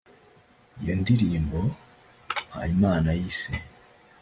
Iyo ndirimbo Mpayimana yise